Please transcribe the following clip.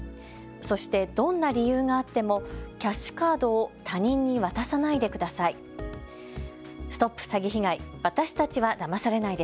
そしてどんな理由があってもキャッシュカードを他人に渡さないでください。